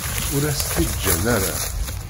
Ur as-t-id-ǧǧan ara.